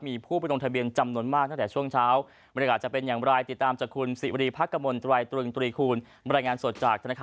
มีผู้ไปร่งทะเบียนจำน้นมากด้านช่วงเช้า